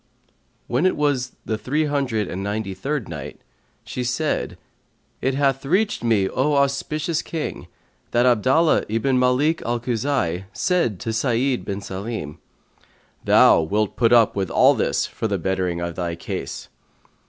When it was the Three Hundred and Ninety third Night She said, It hath reached me, O auspicious King, that Abdallah ibn Malik al Khuza'i said to Sa'id bin Salim, "Thou wilt put up with all this for the bettering of thy case."